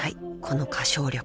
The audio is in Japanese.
この歌唱力］